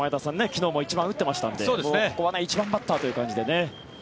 昨日も１番、打ってましたのでここは１番バッターという感じでね。